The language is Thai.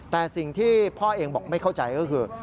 แต่สิ่งที่พ่อเองบอกไม่เข้าใจก็คือ